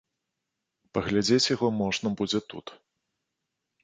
Паглядзець яго можна будзе тут.